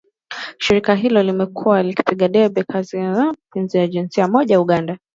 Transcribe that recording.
Shirika hilo limekuwa likipigia debe haki za wapenzi wa jinsia moja nchini Uganda